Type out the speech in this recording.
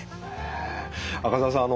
赤澤さん